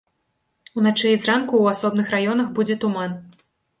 Уначы і зранку ў асобных раёнах будзе туман.